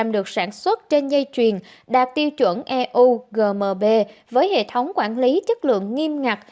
được sản xuất trên dây chuyền đạt tiêu chuẩn eu gmb với hệ thống quản lý chất lượng nghiêm ngặt